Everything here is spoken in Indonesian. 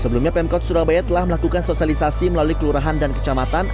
sebelumnya pemkot surabaya telah melakukan sosialisasi melalui kelurahan dan kecamatan